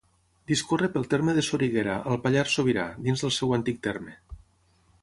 Discorre pel terme de Soriguera, al Pallars Sobirà, dins del seu antic terme.